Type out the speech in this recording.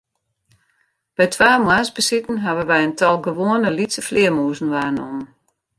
By twa moarnsbesiten hawwe wy in tal gewoane lytse flearmûzen waarnommen.